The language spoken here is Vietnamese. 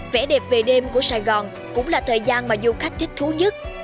vẽ đẹp về đêm của sài gòn cũng là thời gian mà du khách thích thú nhận